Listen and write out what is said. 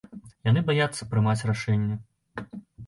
Яны баяцца прымаць рашэнне.